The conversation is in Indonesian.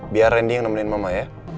biar randi yang nemenin mama ya